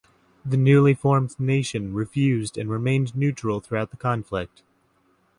The newly formed nation refused and remained neutral throughout the conflict.